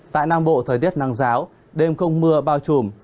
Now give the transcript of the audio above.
tại nam bộ thời tiết nắng giáo đêm không mưa bao trùm